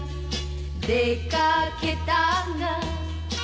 「出掛けたが」